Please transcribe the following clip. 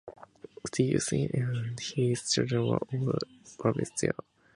Steve Saint and his children were all baptized there.